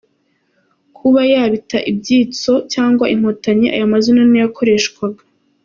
Kuba yabita ibyitso cyangwa Inkotanyi ayo mazina niyo yakoreshwaga.